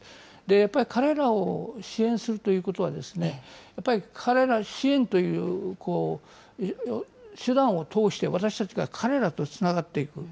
やっぱり彼らを支援するということは、やっぱり彼ら、支援という手段を通して私たちが彼らとつながっていく。